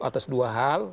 atas dua hal